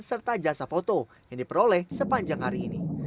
serta jasa foto yang diperoleh sepanjang hari ini